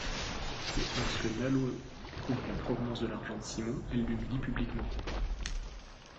Mais lorsque Nalo découvre la provenance de l’argent de Simon, elle l’humilie publiquement...